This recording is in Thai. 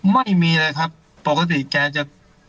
ไม่มีเลยครับปกติแกจะ